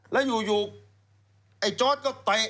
แล้วอยู่ไอ้จอร์ดก็เตะ